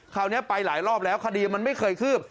คราวนี้ไปหลายรอบแล้วคดีมันไม่เคยคืบ